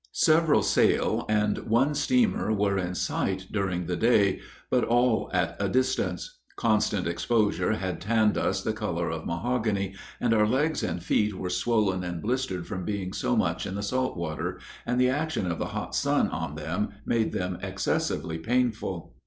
Several sail and one steamer were in sight during the day, but all at a distance. Constant exposure had tanned us the color of mahogany, and our legs and feet were swollen and blistered from being so much in the salt water, and the action of the hot sun on them made them excessively painful.